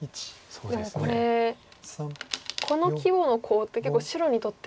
いやでもこれこの規模のコウって結構白にとっては。